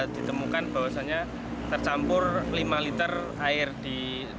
ditemukan bahwasannya tercampur lima liter air di